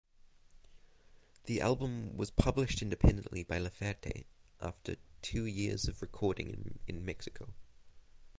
The album was publish independently by Laferte after two years of recording in Mexico.